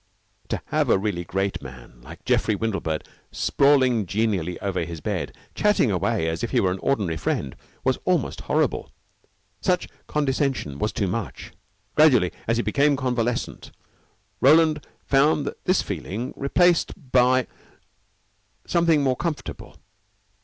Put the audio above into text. To have a really great man like Geoffrey Windlebird sprawling genially over his bed, chatting away as if he were an ordinary friend, was almost horrible. Such condescension was too much. Gradually, as he became convalescent, Roland found this feeling replaced by something more comfortable.